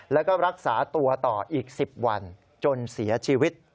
แล้วก็รักษาตัวต่ออีก๑๐วันจนเสียชีวิต